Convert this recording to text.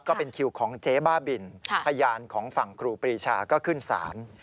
ก็เป็นคิวของเจ๊บ้าบินพยานของฝั่งครูปรีชาก็ขึ้นศาล